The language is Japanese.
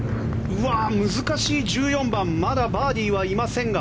難しい１４番まだバーディーはいませんが。